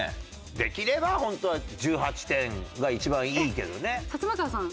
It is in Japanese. できれば本当は１８点が一番いいけどね。